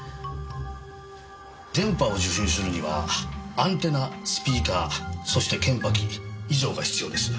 電波を受信するにはアンテナスピーカーそして検波器以上が必要です。